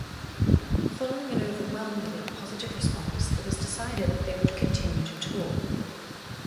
Following an overwhelmingly positive response, it was decided that they would continue to tour.